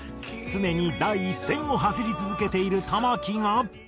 常に第一線を走り続けている玉置が。